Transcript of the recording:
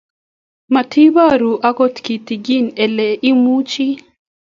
matiboru agot kitegen ile imuchi